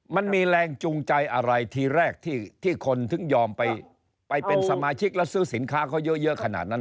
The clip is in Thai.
มันมีแรงจูงใจอะไรทีแรกที่คนถึงยอมไปเป็นสมาชิกแล้วซื้อสินค้าเขาเยอะขนาดนั้น